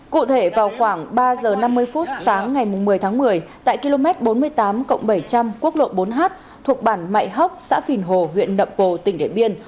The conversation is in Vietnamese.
cụ thể vào khoảng ba h năm mươi phút sáng ngày một mươi tháng một mươi tại km bốn mươi tám bảy trăm linh quốc lộ bốn h thuộc bản mạy hóc xã phìn hồ huyện nậm pồ tỉnh điện biên